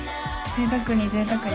ぜいたくにぜいたくに。